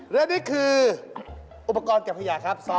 อ๋อแล้วนี่คืออุปกรณ์เกี่ยวพยายามครับซอส